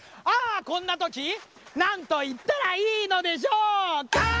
ああこんなときなんといったらいいのでしょうか？